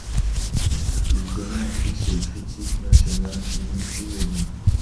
Il connaît un succès critique national immédiat.